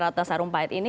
ratna sarumpait ini